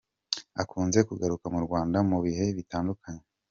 Akunze kugaruka mu Rwanda mu bihe bitandukanye.